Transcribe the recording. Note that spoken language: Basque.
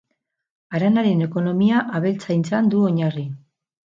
Haranaren ekonomia abeltzaintzan du oinarri.